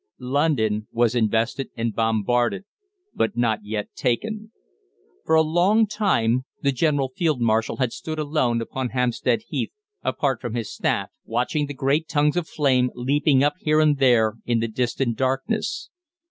London was invested and bombarded, but not yet taken. For a long time the German Field Marshal had stood alone upon Hampstead Heath apart from his staff, watching the great tongues of flame leaping up here and there in the distant darkness.